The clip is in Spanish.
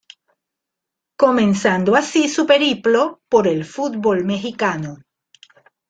Comenzando así su periplo por el fútbol mexicano.